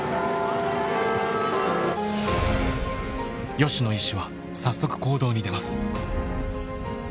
吉野医師は早速行動に出ます。